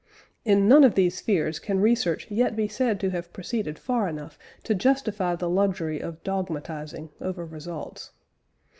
In none of these spheres can research yet be said to have proceeded far enough to justify the luxury of dogmatising over results.